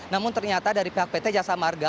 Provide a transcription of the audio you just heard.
namun ternyata dari pihak pt jasa marga